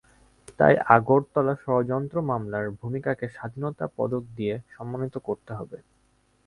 তাই আগরতলা ষড়যন্ত্র মামলার ভূমিকাকে স্বাধীনতা পদক দিয়ে সম্মানিত করতে হবে।